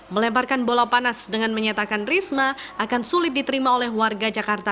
melemparkan bola panas dengan menyatakan risma akan sulit diterima oleh warga jakarta